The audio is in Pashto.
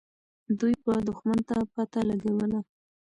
دوی به دښمن ته پته لګوله.